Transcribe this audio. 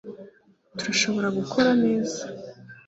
turashobora gukora neza